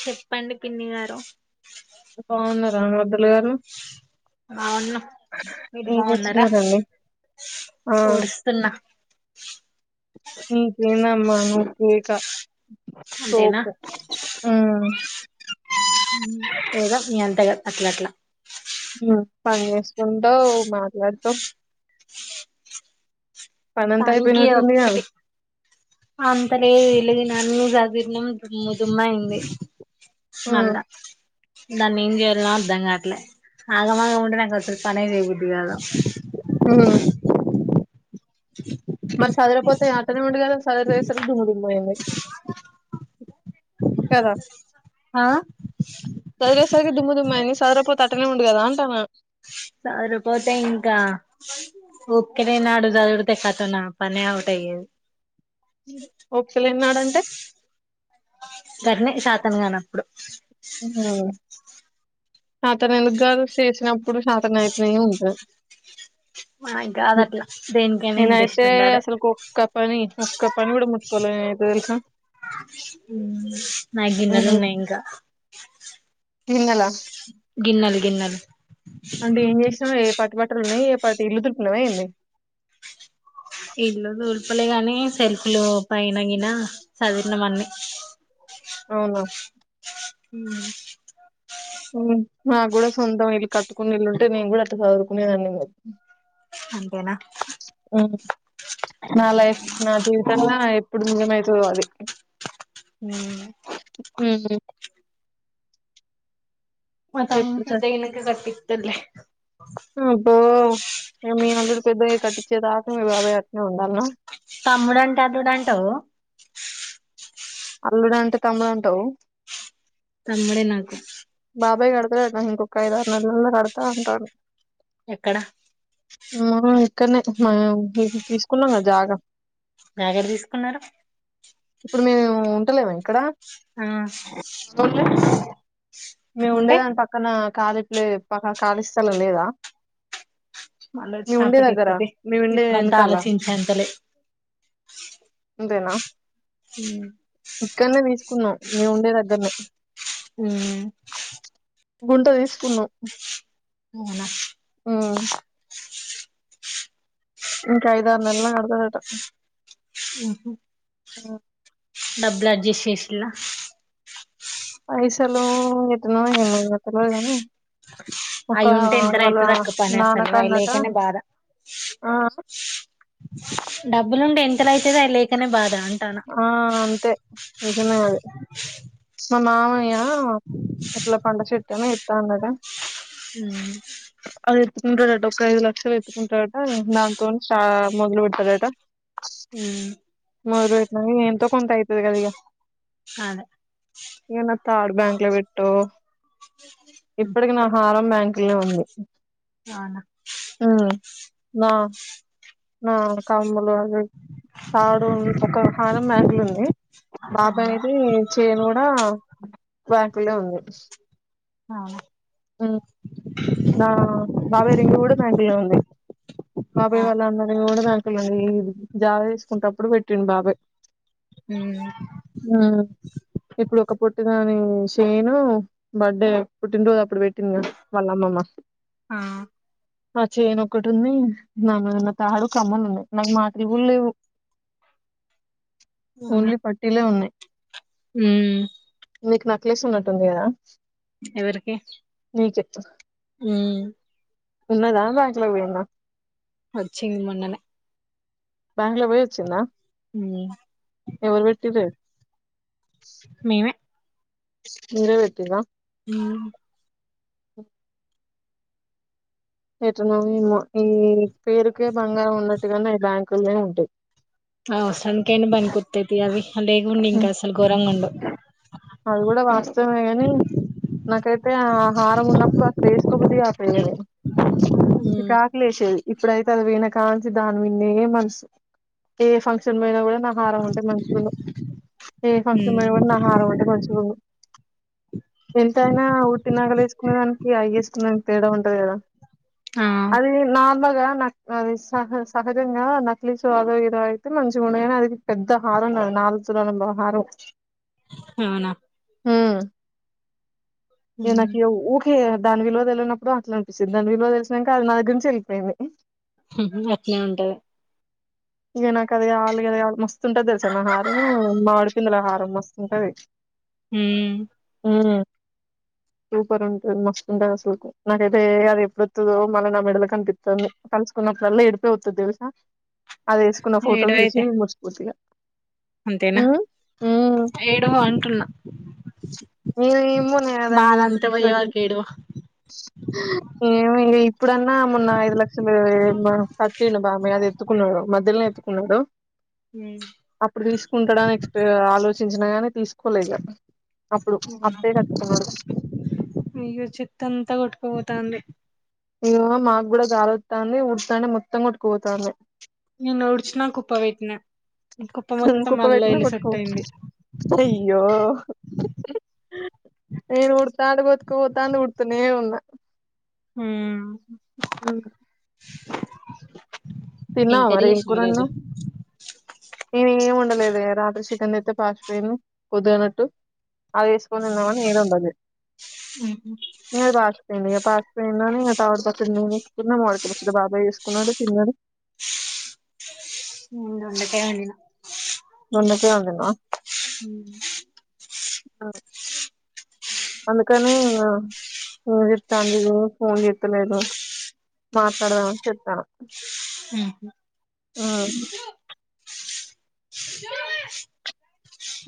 చెప్పండి పిన్ని గారు బాగున్నారా మరదలు గారు బావున్నా మీరు ఏం బావున్నారా చేస్తున్నారండి ఆ ఊడుస్తున్నా నీకేందమ్మా నువు కేక అంతేనా తోపు ఊ ఏదో మీ అంతగా అట్లా అట్లా పని చేసుకుంటవ్ మాట్లాడతవ్ పనంతా తనికి అయిపోయినట్టుందిగా ఒక్కటి అంతలే విలు అన్నీ సదిర్నం దుమ్ము దుమ్ము అయింది ఉమ్ నల్లా దాన్ని ఏం చెయ్యాలో అర్థం కాట్లే ఆగం ఆగం ఉంటే నాకు అసలు పనే చెయ్యబుద్ధి కాదు ఊ మరి సదరపోతే అట్టనే ఉండె కదా సదిరేసరికి దుమ్ము దుమ్ముయింది కదా ఆ సదిరేసరి దుమ్ము దుమ్ము అయి సదరపోతే అట్టనే ఉండు కదా అంటన్న సరిపోతే ఇంకా ఉకినే నాడు జదిరితే కథ నా పనే అవుట్ అయ్యేది ఒకేలే అన్నాడంటే గట్నే చేతకనప్పుడు హ అతను ఎందుకు గారు చేసినప్పుడు సాతన అయితేనే ఉంటంది. మనం కాదు అట్లా దేనికైనా ఇంట్రెస్ట్ నేనైతే ఉండాలె అసలు ఒక్క పని ఒక్క పని కూడా ముట్టుకోలే నేనైతే తెలుసా ఊ నాయి గిన్నెలు ఉన్నాయి ఇంకా గిన్నెలా గిన్నలు గిన్నలు అంటే ఏం చేసాం ఏ పట్టు పట్ ట్ ఉన్నాయి ఏ పాటి ఇల్లు తులుపునవ ఏంది చెప్పలే గాని సెల్ఫ్లు పైన గిన చదివిన అన్ని అవునా హు నాకు కూడా సొంతం ఇల్లుు కట్టుకున్న ఇల్లుుంటే నేను కూడా అట్ట చదురుకునే దాన్నేమో అంతేనా నా లైఫ్ నా జీవితంలో ఎప్పుడు నిజమై చోవాలి ఊ మా తమ్ముడు ఎప్పుడు సార్ పెద్దగైనంక కట్టిత్తడులే ఆ అబ్బో ఏ మీ అల్లుడు పెద్దయ్యాక కట్పిత్ చి దాకా మీ బాబాయ అట్ట్నే ఉండాలా తమ్ముడు అంటే అధడు అంటావు అల్లుడు అంటే తమ్ముడు అంటావు తమ్ముడే నాకు బాబాయ్ కడతలేడు ఇంకొక ఐదు ఆరు నెలల్లో కడతా అంటాండు ఎక్కడ ఆ ఇక్కడనే మనం తీసుకున్నాం కద జాగ నాకెడ తీసుకున్నారు టులేవ ఇక్కడ ఆ మేము ఉండే ఉంటే దాని పక్కన కాలిప్లే పక్క కాళీ స్థలం లేదా ఆలోచన మేము ఉండే అప్పటి దగ్గర ఇప్పటి మేము ఉండే ఇప్పుడంతా వెనకాల ఆలోచించేంతలే అంతేనా హూ కున్నా నీ ఉండే దగ్గరనే ఊ గుంట వేస్తున్నం అవునా ఆ ఇంకా ఐద ఆరు నెల కడదట ఓహో అ డబ్బుల్ అడ్జస్ట్ చేసిలా పైసలు ఎట్టనో ఏం చెత్తాడో ఏమో ఒక అవి ఉంటే ఎంత వాళ్ళ రైతు తక్కు పని అసలు అవి నాన్నకన్నట లేకనే బాధ ఆ డబ్బులుంటే ఎంత తలైతది అయి లేకనే బాధ అంటాన ఆ అంతే నిజమే అది మా మామయ్య ఎట్లా పండు చెట్టనే తాండగా ఉం ఉంటాడట ఒక ఐదు లక్షలు ఎత్తుకుంటాడట దాంతో షా మొదలు పెడతడట మ్మ్ పెట్టినాక ఎంతో కొంత ఐత్తది కదా ఇగ అదే ఇగ నా తాడు బ్యాంక్ లో పెట్టొ ఇప్పటికి నా హారం బ్యాంక్ లో ఉంది అవునా నా ఆ కమ్ములు తాడు ఒకహారం బ్యాంకులుంది బాబాయది చేన్ కూడా బ్యాంకుల్నే ఉంది అవున్నా ఆ నా బాబాయ్ రింగ కూడా బ్యాంకుల్నే ఉంది బాబాయ్ వాళ్ళ అన్నది కూడా బ్యాంకుల్నే ఉంది ఇది జాగా తీసుకుంటప్పుడు పెట్టిండు బాబయ్ మ్మ్ ఇప్పుడు ఒకప్పు పొట్టి దాని శైను బర్డే పుట్టినరోజు అప్పు ఇప్పుడు పెట్టిందా వాళ్ళ అమ్మమ్మ ఆ ఆ చేయన్ ఒకటి ఉంది నా నా నా తాడు కమ్మలు ఉన్నాయి నాకు మాటిలు కూడ లేవు ఓన్లీ పట్టీలే ఉన్నాయి మ్మ్ మీకు నక్లేస్ ఉన్నట్టుంది కదా మీక్ ఎత్తు మ్మ్ ఉన్నదా బ్యాంక్లోకి పోయింద అచ్చింది మొన్ననే బ్యాంక్ లకి పోయ్ వచ్చిందా మ్మ్ ఎవరు పెట్టిర్రే మేమే మీరే వెట్టిర్రా మ్మ్ ఎట్టనో ఏమో ఈ పేరుకే బంగారం ఉన్నట్టుగాని అవి బ్యాంకుల్లోనే ఉంటాయి అవ్ అవసరనికైనా బనికొత్తయ్ తియ్ అవి లేగుండె ఉం. ఇంక అసలు గోరంగ్ అది గుడా వాస్తవమే గని నాకైతే ఆ హారం ఉన్నప్పుడు అసలు ఏస్ కబడ్డీ ఆట లేదు చికాక్ లేసింది ఇప్పుడైతే అది పొయ్న కాంచి దాని మిన్నె మనసు ఏ ఫంక్షన్ పొయ్నా గుడా నా హారం ఉంటె మంచిగున్ను ఏ ఫంక్స్ మరి మన్ నా హారం ఉంటె మంచిగున్ను ఎంతైనా ఉట్టి నగలేసుకునే దానికి అయ్ గీసుకునేదానికి తేడా ఉంటది కదా ఆ అది నాబ [inaudible] నక్ అది సహ సహజంగా నకిలీ స్వాదో ఏదో అయితే మంచిగుండయని నాదిగ్గి పెద్దహారం నాది నాలుగు తులాల బ హారం అవునా మ్మ్ ఏ నాకిగ ఊకె దాని విలువ దెలవనప్పుడు అట్లనిపిస్తుంది దాని విలువ తెలిసినంక అది నాదగ్గర్ నుంచి ఎల్పోయింది. మ్మ్ హు అట్నే ఉంటది. ఇంగ నాకది గావాలి గది గావాలి మస్తుంటది తెలుసా నా హారం మామిడి పిందుల హారం మస్తుంటది. మ్మ్ మ్మ్ సూపర్ ఉంటుంది మస్తుంటదసలకు నాకైతే అదెప్పుడొత్తదో మళ్ళీ నా మెడల కనిపిత్తుంది తలుసుకున్నప్పుడల్లా ఏడుపే వస్తది తెలుసా అదేసుకున్న ఫోటోస్ చూసి ఏడవైతే నేన్ మురిసిపోతిగ అంతేనా ఈ ఇమ్మునే గా దాని బాధ మీద అంత అంతా పిచ్చి పోయే పట్టింది వరకు ఏడవ లేద్ ఇప్పుడన్నా మొన్న ఐదు లక్షలు బ కట్టిండు బా అదెత్తుకునే వాడు మధ్యల్ నే చి కున్నగుడ అప్పుడు తీసుకుంటడా నెక్స్ట్ ఆలోచ్ చిన్చిన గానీ తీసుకోలే ఇగ అప్పుడు అవునా అప్పే కట్టుకున్నాడు అయ్యో చెత్తంతా కొట్టుకుపోతాంది ఇగో మాగ్గుడా గాలోత్తంది వూడ్తానే మొత్తం గొట్టుకుపోతాంది. నిన్న వూడ్చిన కుప్ప వెట్టినా అసలేం కుప్ప వైట్న కొట్టుక వోతుంది. కొ తాంటె వూడ్తానే ఉన్నా మ్మ్ తిన్నావ మరి ఏం చేసినవ్ ఈ రోజు కూరోండినావ్ లేదిగ రాత్రి సికెన్ తెత్తే పాష్ పొయ్యింది పొద్దుగానట్టు అదేస్కొని తిందామని నేనుండదే మీరు దస పడి పాస్పోయినాని ఆ టవర్ పక్కడి నేను వేసుకున్నా మాడికిచ్చడు బాబాయ వేసుకున్నాడు తిన్నాడు. ఉ దొండకాయ్ వండిన అందుకే [unintelligible] ఊ ఆ అందుకని ఇంగ ఆ [unintelligible] చెప్తా ఫోన్ చెస్తలేదు మాట్లాడదాని చెతాను ఆ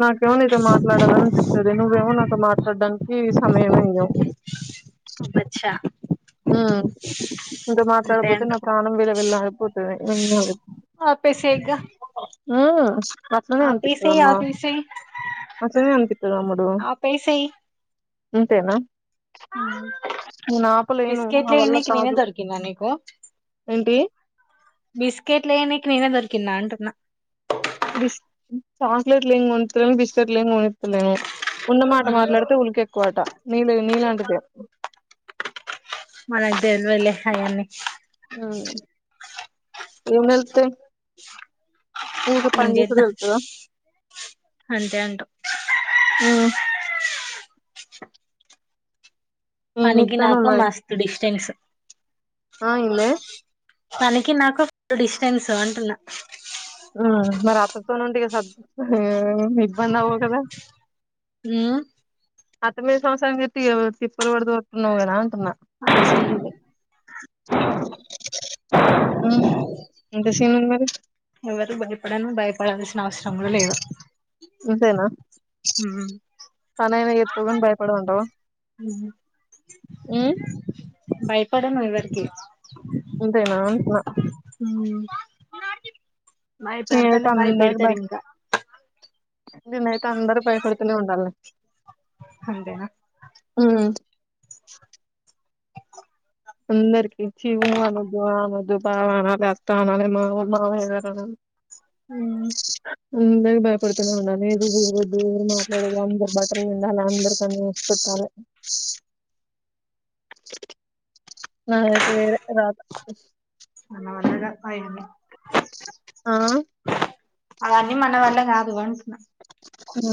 నాకేమో నీతో మాట్లాడనిపితాది నువ్వేమో నాతో మాట్లాడడానికి ఈ సమయమే ఇంగ అచ్చా ఆ ఇంక మాట్లాడపోతే అంట నా ప్రాణం విల విల ఆదిపోద్ [unintelligible] ఆపేసేయ్ ఇగ అ అట్లనే ఆపేసేయ్ అనుపితదమ్మా ఆపేసేయ్ అట్లనే అనిపిత్తది అమ్మడు అంతేనా ఆ నేను ఆపలేను నా బిస్కెట్లు వల్ల ఎయినికి నేను ఏ కాదు దొరికిన్నా నీకు ఏంటి బిస్కెట్లు ఎయినికి దొరికిన్నాంటన్నా బిస్ చాక్లెట్లు ఎం కోనితలేవు బిస్కెట్లు ఏం కోనిత్తలేవు ఉన్నమాట మాట్లాడితే ఉళకె ఎక్కువట నీలో నీలాాంటి పే మనకు తెల్వదు లే అయన్ని ఎం నలెతే ఊగా ఏం పంచెప్పుడు చేద్దాం తేలుతదా అంతే అంటావ్ ఆ ఏం పనికి చేత్తన్నావ్ నాకు మరి మస్తు డిస్టెన్స్ ఆ ఇన్లే పనికి నాకు త్ డిస్టెన్స్ అంటున్నా ఉ మరి అత్రతోన ఉండి చెస్ అత్త తోని [unintelligible] ఇబ్బంది అవు గదా ఉమ్ అత్త మీద సంసారం చేతే తిప్పలు పడుదు గద అంటున్నా అంత సీన్ లే ఉ ఎంత సినిమా మరి ఎవరు భయపడను భయపడాల్సిన అవసరంలో లేదు అంతేనా ఉమ్ పని అయిన చేత్తవ్ కాని భయపడవు అంటావా ఉమ్, భయపడను ఎవ్వరికి అంతేనా అంటునా నాకి భయపెడతంటే నేనైతే అందరికి భయ భయపెడతరు ఇంకా నేనైతే అందరికి భయపడుతూనే ఉండాల్లే అంతేనా అందరుకి ఇచ్చి ఊ అనద్దు ఆ అనద్దు బావ అనాలే అత్త అనాలే మామ మామయ్యగారు అనాలే ఊ అందరి భయపడుతూనే ఉండాలి లేదు గిదు వద్దు అని మాట్లాడదు అందరి బట్టలు పిండాలి అందరి పని చేసిపెట్టాలి నా అయితే వేరే రాత హై అండి ఆ అవన్నీ మన వల్ల కాదు అం ఉ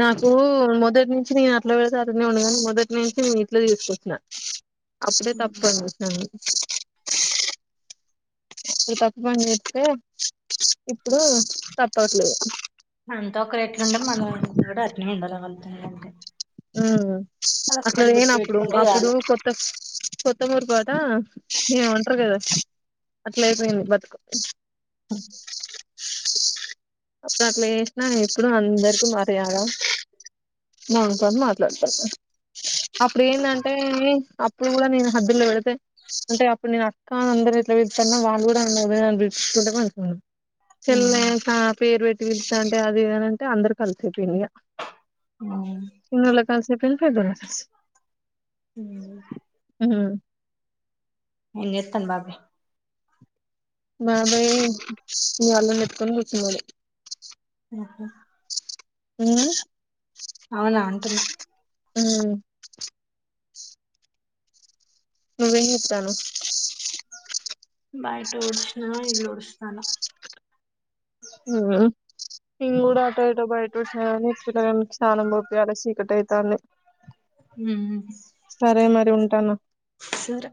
నాకూ మొదటి నుంచి నేను అట్లే పెడతా అట్లనే ఉండేగాని మొదటి నుంచి నేను ఇట్ల చేసుకొచ్చిన అప్పుడే తప్పు అనిపిస్తుంది ఇప్పుడు తప్పు పని చెప్తే ఇప్పుడు తప్పవట్లేదు అంత ఒకరు ఎట్లుండే మనం కూడా అట్లే నే బలవంతం అంటే ఆ అట్ల లేనప్పుడు పెట్టుకుంటే అప్పుడు చాలు కొత్త కొత్తమూరిపేట ఏం ఉంటరు కదా అట్లయిపోయింది బతుకు అప్పుడు అట్ల చేసిన ఇప్పుడు అందరికీ మర్యాద మ తను మాట్లాడతారు అప్పుడు ఏందంటే అప్పుడు కూడా నేను హద్దుల్లో పెడితే అంటే అప్పుడు నేను అక్కా అందరూ ఎట్లా పిలుత్తున్న వాళ్ళు కూడా అందరూ అదే అని పిలుత్తుంటే అను ఉమ్ చెల్లె కా పేరు పెట్టి పిల్ ఎంటే అది ఏనంటే అందరు కలిసే తిని ఆ చిన్నోళ్ళు కాసేపు పెద్దోళ్ళు కాసేపు ఊ ఉ ఏం చేత్తండు బాబు మాబరి నీ వల్ల ఇట్కొని కూర్చున్నాడు ఆహా అ అవునా అంటున్న ఊ నువ్వేం చేతన్నావ్ బయట వుడ్సిన ఇల్లు వుడ్సిన సాల ఉమ్ నేను కూడా అటో ఇటో బయట వచ్చినా కానీ తను హు ఉంటాను సరే